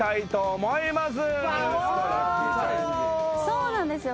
そうなんですよ